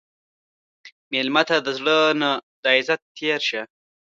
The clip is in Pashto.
مېلمه ته د زړه نه د عزت تېر شه.